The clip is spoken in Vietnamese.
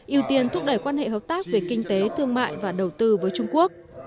ưu tiên thúc đẩy quan hệ hợp tác về kinh tế thương mại và đầu tư với trung quốc